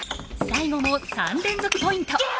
最後も３連続ポイント。